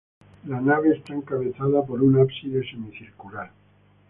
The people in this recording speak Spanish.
La nave está encabezada por un ábside semicircular.